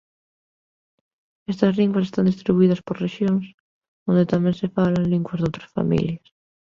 Estas linguas están distribuídas por rexións onde tamén se falan linguas doutras familias.